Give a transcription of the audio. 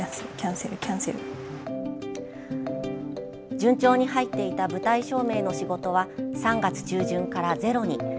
順調に入っていた舞台照明の仕事は３月中旬からゼロに。